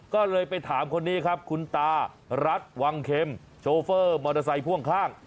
ก็เลยไปถามคนนี้ครับคุณตารัฐวังเข็มโชเฟอร์มอเตอร์ไซค์พ่วงข้าง